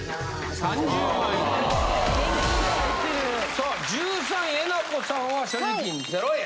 さあ１３位えなこさんは所持金０円。